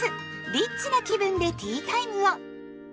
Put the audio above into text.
リッチな気分でティータイムを。